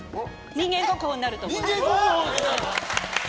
人間国宝になると思います。